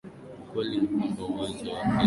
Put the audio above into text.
Ukweli ni kwamba uwezo wake ni mkubwa sana